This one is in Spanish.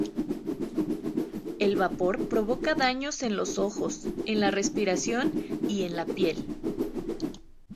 El vapor provoca daños en los ojos, en la respiración y en la piel.